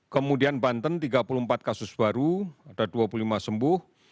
kemudian banten tiga puluh empat kasus baru ada dua puluh lima sembuh